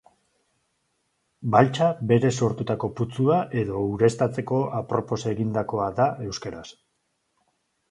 Baltsa berez sortutako putzua edo ureztatzeko apropos egindakoa da euskaraz.